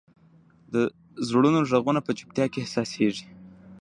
د زړونو ږغونه په چوپتیا کې احساسېږي.